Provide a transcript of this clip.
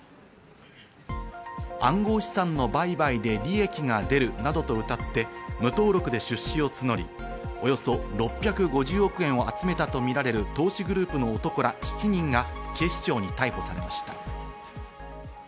暗号資産の売買で利益が出るなどとうたって、無登録で出資を募り、およそ６５０億円を集めたとみられる投資グループの男ら７人が、警視庁に逮捕されました。